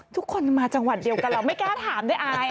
ทุกคนมาจังหวัดเดียวกันเราไม่กล้าถามด้วยอาย